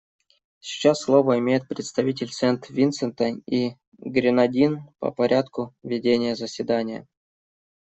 Сейчас слово имеет представитель Сент-Винсента и Гренадин по порядку ведения заседания.